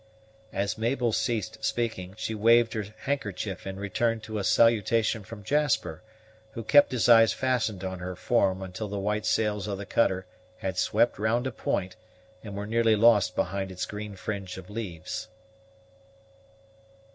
As Mabel ceased speaking, she waved her handkerchief in return to a salutation from Jasper, who kept his eyes fastened on her form until the white sails of the cutter had swept round a point, and were nearly lost behind its green fringe of leaves.